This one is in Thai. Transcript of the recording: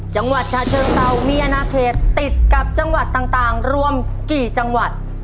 จังหวัดชาเชิงเซามีอนาเขตติดกับจังหวัดต่างรวมกี่จังหวัด